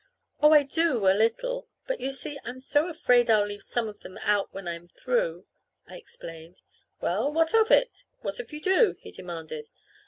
"Oh, I do a little; but, you see, I'm so afraid I'll leave some of them out when I'm through," I explained, "Well, what of it? What if you do?" he demanded.